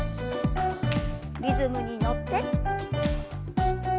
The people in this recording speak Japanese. リズムに乗って。